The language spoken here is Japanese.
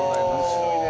面白いね！